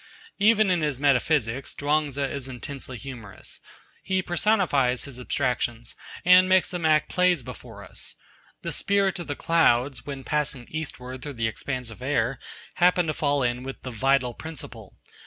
Even in his metaphysics, Chuang Tzu is intensely humorous. He personifies his abstractions, and makes them act plays before us. The Spirit of the Clouds, when passing eastward through the expanse of air, happened to fall in with the Vital Principle.